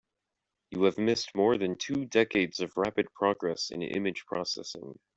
You have missed more than two decades of rapid progress in image processing.